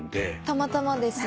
たまたまですね。